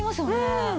うん。